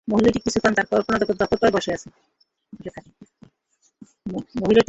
মহিলাটি কিছুক্ষণ তার কল্পনারাজ্য দখল করে বসে থাকে।